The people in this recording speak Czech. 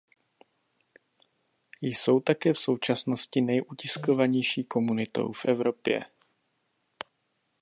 Jsou také v současnosti nejutiskovanější komunitou v Evropě.